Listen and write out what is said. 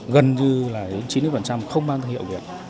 gần như chín mươi không mang thương hiệu việt